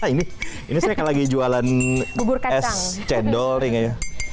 ini ini saya kan lagi jualan es cendol ring aja